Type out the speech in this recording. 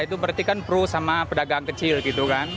itu berarti kan pro sama pedagang kecil gitu kan